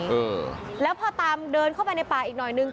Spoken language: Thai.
เออแล้วพอตามเดินเข้าไปในป่าอีกหน่อยนึง